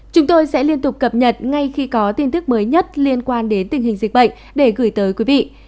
chúng tôi sẽ liên tục cập nhật ngay khi có tin tức mới nhất liên quan đến tình hình dịch bệnh để gửi tới quý vị